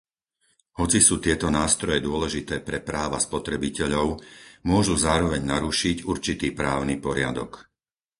Hoci sú tieto nástroje dôležité pre práva spotrebiteľov, môžu zároveň narušiť určitý právny poriadok.